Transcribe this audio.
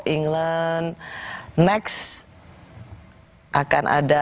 england next akan ada